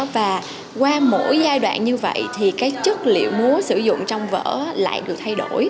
và qua mỗi giai đoạn như vậy thì cái chất liệu múa sử dụng trong vở lại được thay đổi